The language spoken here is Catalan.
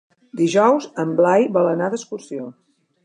Dijous en Blai vol anar d'excursió.